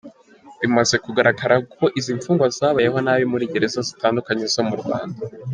Bimaze kugaragara ko izi mfungwa zabayeho nabi muri gereza zitandukanye zo mu Rwanda;